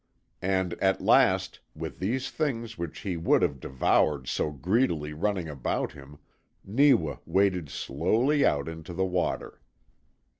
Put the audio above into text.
And at last, with these things which he would have devoured so greedily running about him, Neewa waded slowly out into the water.